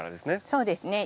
そうですね。